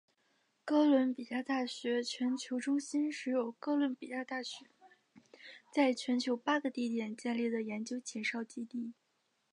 哥伦比亚大学全球中心是由哥伦比亚大学在全球八个地点建立的研究前哨基地。